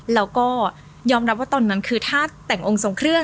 แล้วก็ยอมรับว่าตอนนั้นคือถ้าแต่งองค์ทรงเครื่อง